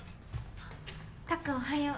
あったっくんおはよう。